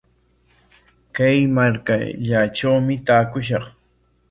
Kay markallatrawmi taakushaq.